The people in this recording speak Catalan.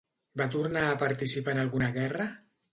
Va tornar a participar en alguna guerra?